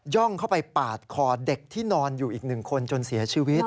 ่องเข้าไปปาดคอเด็กที่นอนอยู่อีกหนึ่งคนจนเสียชีวิต